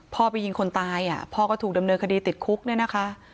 พ่อไปยิงคนตายพ่อก็ถูกดำเนินคดีติดคุกเนี่ยนะคะ